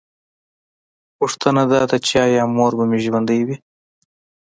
پوښتنه دا ده چې ایا مور به مې ژوندۍ وي